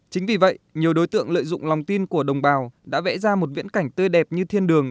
chính vì vậy nhiều đối tượng lợi dụng lòng tin của đồng bào đã vẽ ra một viễn cảnh tươi đẹp như thiên đường